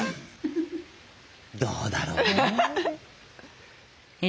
どうだろうな？